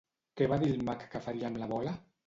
Què va dir el mag que faria amb la bola?